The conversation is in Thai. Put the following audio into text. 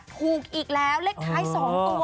ถูกอีกแล้วเลขท้าย๒ตัว